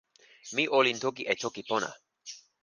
mi olin toki e toki pona.